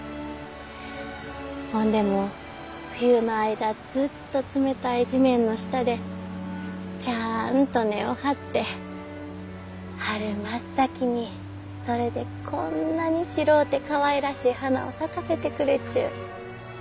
ほんでも冬の間ずっと冷たい地面の下でちゃあんと根を張って春真っ先にそれでこんなに白うてかわいらしい花を咲かせてくれちゅう。